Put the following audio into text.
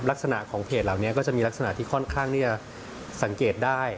ลักษณะของเพจเหล่านี้ก็จะมีลักษณะที่ค่อนข้างที่จะสังเกตได้